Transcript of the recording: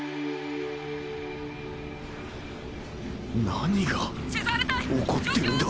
何が起こってるんだ？